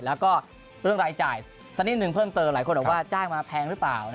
แล้วก็เรื่องรายจ่ายสักนิดนึงเพิ่มเติมหลายคนบอกว่าจ้างมาแพงหรือเปล่า